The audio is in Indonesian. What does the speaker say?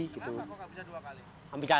kenapa kok gak bisa dua kali